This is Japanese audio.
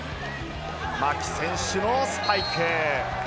牧選手のスパイク。